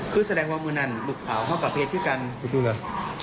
คือแสดงว่าเมื่อนั้นลูกสาวเขากับเห็นพี่กัน